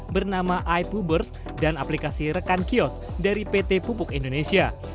bernama ipubers dan aplikasi rekan kiosk dari pt pupuk indonesia